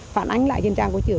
phản ánh lại trên trang của trưởng